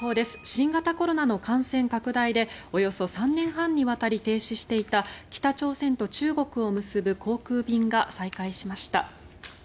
新型コロナの感染拡大でおよそ３年半にわたり停止していた北朝鮮と中国を結ぶ航空便が再開しました。